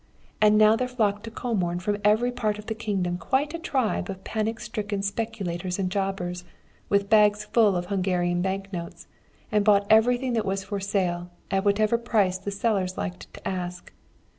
And now there flocked to Comorn from every part of the kingdom quite a tribe of panic stricken speculators and jobbers, with bags full of Hungarian bank notes, and bought everything that was for sale, at whatever price the sellers liked to ask.